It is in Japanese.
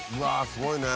すごいね。